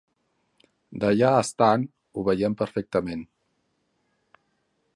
D'allà estant ho vèiem perfectament.